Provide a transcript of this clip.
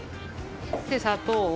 で砂糖を。